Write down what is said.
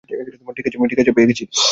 ঠিকাছে, পেয়ে গেছি।